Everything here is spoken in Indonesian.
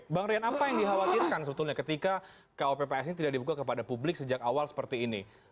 bang rian apa yang dikhawatirkan sebetulnya ketika kopps ini tidak dibuka kepada publik sejak awal seperti ini